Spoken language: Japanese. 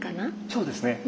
そうですね。